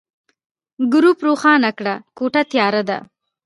ګروپ روښانه کړه، کوټه تياره ده.